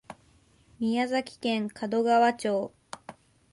宮崎県門川町